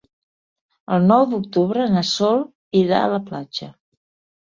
El nou d'octubre na Sol irà a la platja.